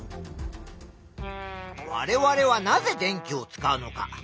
われわれはなぜ電気を使うのか？